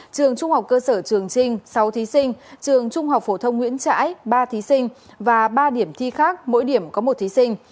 trường trung học cơ sở trường trinh sáu thí sinh trường trung học phổ thông nguyễn trãi ba thí sinh và ba điểm thi khác mỗi điểm có một thí sinh